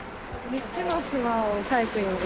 ３つの島をサイクリング？